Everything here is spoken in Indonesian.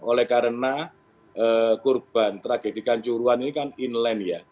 oleh karena kurban tragedi kancuruan ini kan inland ya